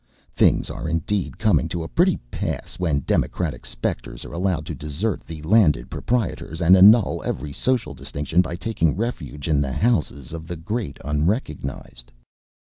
Things are indeed coming to a pretty pass when democratic spectres are allowed to desert the landed proprietors and annul every social distinction by taking refuge in the houses of the great unrecognized.